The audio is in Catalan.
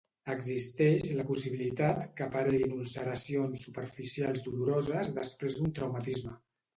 Existeix la possibilitat que apareguin ulceracions superficials doloroses després d'un traumatisme.